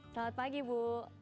selamat pagi bu